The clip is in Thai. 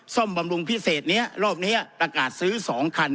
บำรุงพิเศษนี้รอบนี้ประกาศซื้อ๒คัน